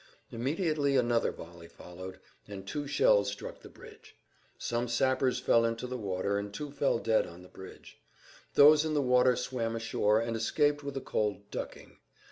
Immediately another volley followed, and two shells struck the bridge. Some sappers fell into the water and two fell dead on the bridge; those in the water swam ashore and escaped with a cold ducking.